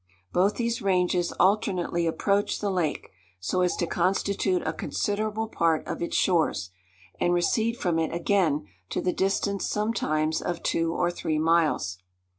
Both these ranges alternately approach the lake, so as to constitute a considerable part of its shores, and recede from it again to the distance sometimes of two or three miles.